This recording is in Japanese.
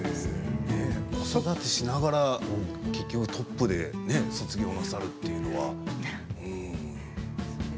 子育てしながら結局トップで卒業をなさるっていうのは。